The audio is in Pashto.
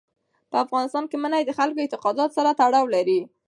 په افغانستان کې منی د خلکو د اعتقاداتو سره تړاو لري.